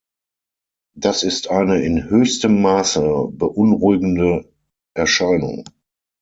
Das ist eine in höchstem Maße beunruhigende Erscheinung.